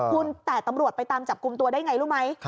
คุณแต่ตำรวจไปตามจับกลุ่มตัวได้ไงรู้ไหม